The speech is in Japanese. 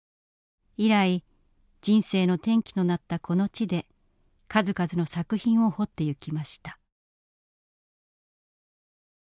以来人生の転機となったこの地で数々の作品を彫ってゆきました。